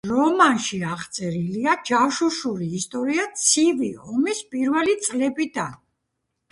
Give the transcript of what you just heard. რომანში აღწერილია ჯაშუშური ისტორია ცივი ომის პირველი წლებიდან.